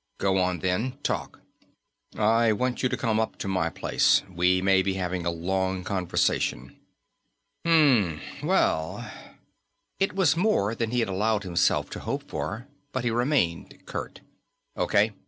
"Go on, then. Talk." "I want you to come up to my place. We may be having a long conversation." "Mmmm well " It was more than he had allowed himself to hope for, but he remained curt: "Okay.